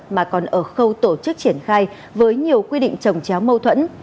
mà còn ở khâu tổ chức triển khai với nhiều quy định trồng chéo mâu thuẫn